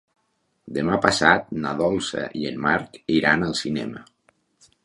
Demà passat na Dolça i en Marc iran al cinema.